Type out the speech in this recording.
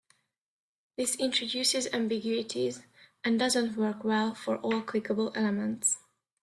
This introduces ambiguities and doesn't work well for all clickable elements.